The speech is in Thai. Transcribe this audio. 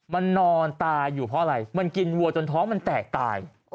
มันนอนตายอยู่เพราะอะไรมันกินวัวจนท้องมันแตกตาย